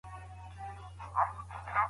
طلاق د کورنيو لپاره لويه غميزه ده.